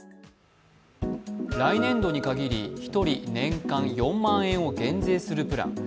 来年度に限り１人年間４万円を減税するプラン。